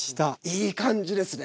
いい感じですね。